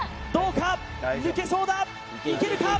怖い怖い抜けそうだいけるか？